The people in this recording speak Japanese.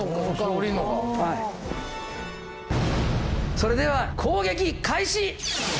それでは攻撃開始！